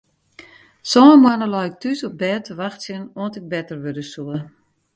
Sân moannen lei ik thús op bêd te wachtsjen oant ik better wurde soe.